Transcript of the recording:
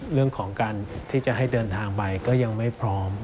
เรื่องของการที่จะให้เดินทางไปก็ยังไม่พร้อม